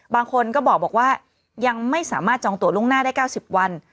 บางคนก็บอกว่ายังไม่สามารถจองตัวล่วงหน้าได้๙๐วัน